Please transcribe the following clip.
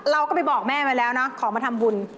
เราก็ไปบอกแม่ไว้แล้วนะขอมาทำบุญ